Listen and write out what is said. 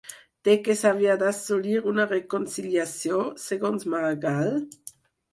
De què s'havia d'assolir una reconciliació segons Maragall?